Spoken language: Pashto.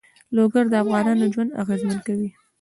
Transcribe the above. لوگر د افغانانو ژوند اغېزمن کوي.